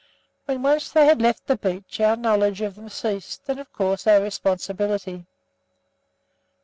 When once they had left the beach, our knowledge of them ceased, and of course our responsibility.